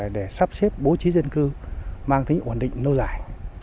để sắp xếp bố trí dân cư mang tính ổn định lâu dài